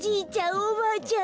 おばあちゃん